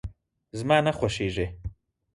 زما نه خوښيږي.